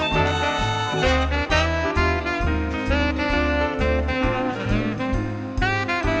สวัสดีครับสวัสดีครับ